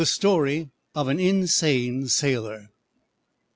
STORY OF AN INSANE SAILOR.